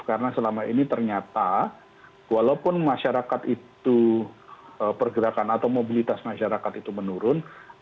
karena selama ini ternyata walaupun masyarakat itu pergerakan atau mobilitas masyarakat itu menurun angkanya tetap tinggi